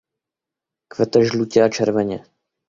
Kvete žlutě a červeně.